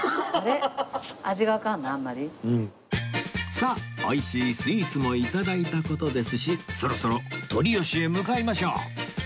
さあ美味しいスイーツも頂いた事ですしそろそろとりよしへ向かいましょう